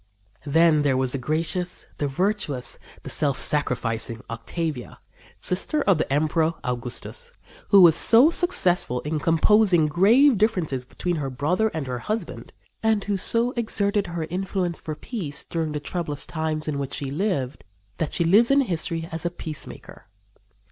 Then there was the gracious, the virtuous, the self sacrificing Octavia, sister of the Emperor Augustus, who was so successful in composing grave differences between her brother and her husband, and who so exerted her influence for peace during the troublous times in which she lived that she lives in history as a peacemaker.